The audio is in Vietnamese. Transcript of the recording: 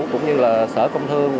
cũng như là sở công thương